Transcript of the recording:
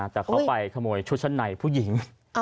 แต่เขาไปขโมยชุดชั้นในผู้หญิง